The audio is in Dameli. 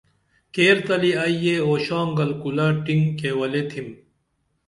کیر تلی ائی یہ اُشانگل کُلہ ٹینگ کیولے تِھم